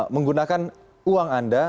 menggunakan uang anda